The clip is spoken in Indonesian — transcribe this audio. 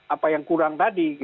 apa yang kurang tadi